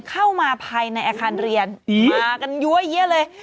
เข้ามาภายในอาคารเรียนมากันยั้วเยี้ยเลย